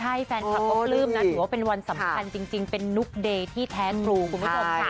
ใช่แฟนคลับก็ปลื้มนะถือว่าเป็นวันสำคัญจริงเป็นนุ๊กเดย์ที่แท้ครูคุณผู้ชมค่ะ